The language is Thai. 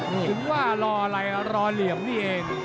ถึงว่ารออะไรรอเหลี่ยมนี่เอง